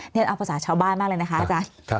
เอาภาษาชาวบ้านมากเลยนะคะอาจารย์